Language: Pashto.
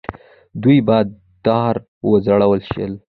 دوی په دار وځړول شول.